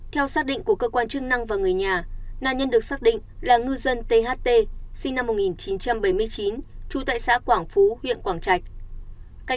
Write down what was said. theo xác định của cơ quan chức năng và người nhà nạn nhân được xác định là ngư dân tht sinh năm một nghìn chín trăm bảy mươi chín trú tại xã quảng phú huyện quảng trạch